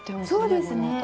そうですね。